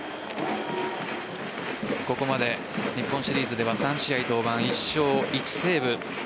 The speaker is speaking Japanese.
ここまで日本シリーズでは３試合登板、１勝１セーブ。